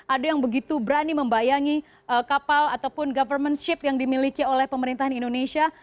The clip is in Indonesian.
ada yang begitu berani membayangi kapal ataupun governmentship yang dimiliki oleh pemerintahan indonesia